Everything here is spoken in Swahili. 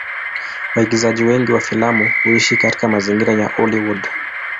Waigizaji wengi wa filamu huishi katika mazingira ya Hollywood.